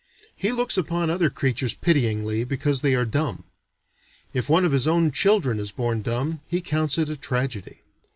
He looks upon other creatures pityingly because they are dumb. If one of his own children is born dumb, he counts it a tragedy.